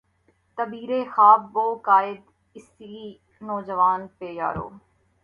تعبیر ء خواب ء قائد، اسی نوجواں پہ یارو